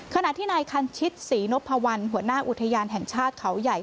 ขณะที่นายคันชิตศรีนพวัลหัวหน้าอุทยานแห่งชาติเขาใหญ่